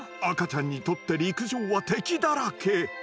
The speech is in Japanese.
赤ちゃんにとって陸上は敵だらけ。